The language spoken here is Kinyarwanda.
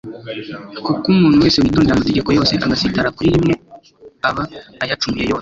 « kuko umuntu wese witondera amategeko yose, agasitara kuri rimwe, aba ayacumuye yose.'>>